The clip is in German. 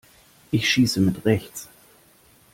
Ich schieße mit rechts.